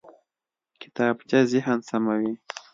کتابچه ذهن سموي